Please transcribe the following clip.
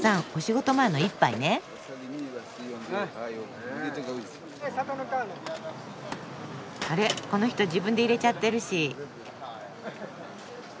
この人自分で入れちゃってるし。